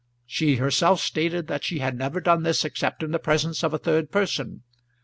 She herself stated that she had never done this except in the presence of a third person.